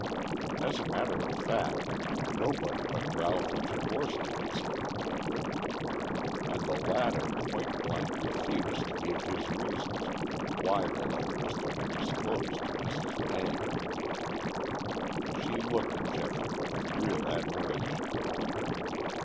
As a matter of fact, nobody but Ralph and Tchigorsky had seen the paper. And the latter point blank refused to give his reasons why the letter was to be disclosed to Mrs. May. She looked at Geoffrey with real admiration.